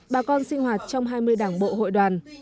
bà con sinh hoạt trong hai mươi đảng bộ hội đoàn